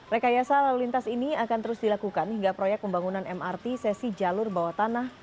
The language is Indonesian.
rekayasa lalu lintas ini akan terus dilakukan hingga proyek pembangunan mrt sesi jalur bawah tanah